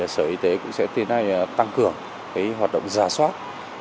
sở y tế cũng sẽ tăng cường hoạt động giả soát